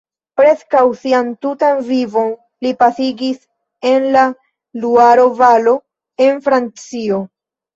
Preskaŭ sian tutan vivon li pasigis en la Luaro-valo en Francio.